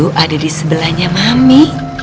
ayu ada disebelahnya mami